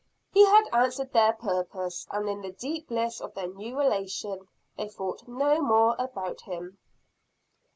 He had answered their purpose and in the deep bliss of their new relation, they thought no more about him.